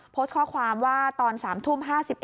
โพสต์ข้อความว่าตอน๓ทุ่ม๕๑